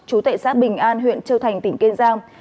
chú tệ xã bình an huyện châu thành tỉnh kiên giang